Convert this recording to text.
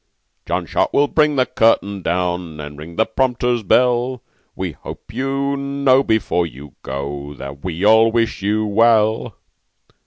John Short will ring the curtain down. And ring the prompter's bell; We hope you know before you go That we all wish you well."